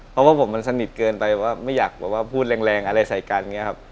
เพราะว่าผมมันสนิทเกินไปเพราะเนี่ยไม่อยากพูดแรงอันใดใส่กันเนี่ยครับ